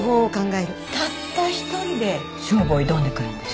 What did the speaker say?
たった一人で勝負を挑んでくるんでしょ？